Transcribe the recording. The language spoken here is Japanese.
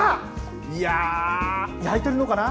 いやあ、焼いてるのかな？